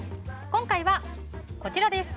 今回はこちらです。